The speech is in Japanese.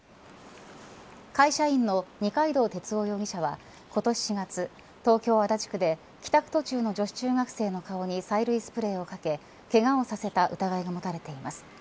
犯人の二階堂哲夫容疑者は今年４月東京、足立区で帰宅途中の女子中学生の顔に催涙スプレーをかけけがをさせた疑いが持たれています。